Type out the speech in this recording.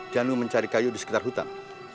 janu mencari kayu di sekitar hutan